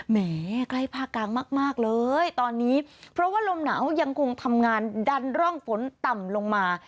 แหมใกล้ภาคกลางมากเลยตอนนี้เพราะว่าลมหนาวยังคงทำงานดันร่องฝนต่ำลงมา